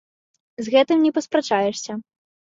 З гэтым не паспрачаешся!